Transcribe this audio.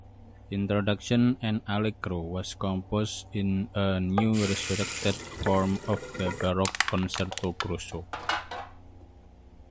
"Introduction and Allegro" was composed in a neo-resurrected form of the Baroque concerto grosso.